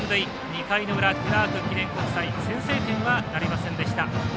２回の裏、クラーク記念国際先制点はなりませんでした。